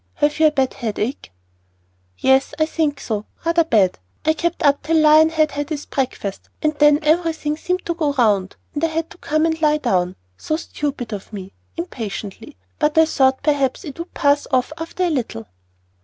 Have you a bad headache?" "Yes, I think so, rather bad. I kept up till Lion had had his breakfast, and then everything seemed to go round, and I had to come and lie down. So stupid of me!" impatiently; "but I thought perhaps it would pass off after a little."